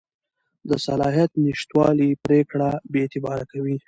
د صلاحیت نشتوالی پرېکړه بېاعتباره کوي.